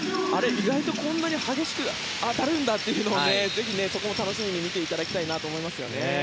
意外とこんなに激しく当たるんだとぜひ、楽しみに見ていただきたいと思います。